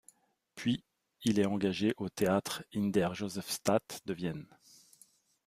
Puis il est engagé au Theater in der Josefstadt de Vienne.